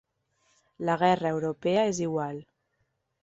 La guerra europea és igual.